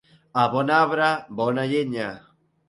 A bon arbre, bona llenya.